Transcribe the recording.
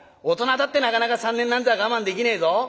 大人だってなかなか３年なんざ我慢できねえぞ。